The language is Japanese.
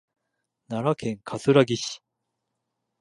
奈良県葛城市